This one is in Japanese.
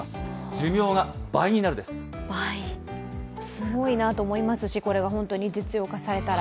すごいなと思いますし、これが本当に実用化されたら。